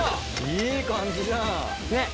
いい感じじゃん。